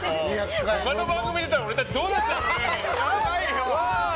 また番組出たら、俺たちどうなっちゃうんだろうね！